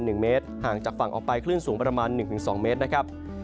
ขึ้นสูงประมาณ๑เมตรห่างจากฝั่งออกไปขึ้นสูงประมาณ๑๒เมตรนะครับ